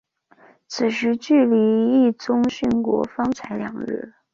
此时距离毅宗殉国方才两日。